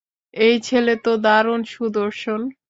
এই ছেলে তো দারুণ সুদর্শন!